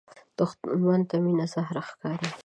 دښمن ته مینه زهر ښکاري